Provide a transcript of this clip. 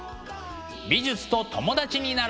美術と友達になろう！